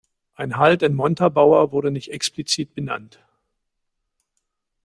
Ein Halt in Montabaur wurde nicht explizit benannt.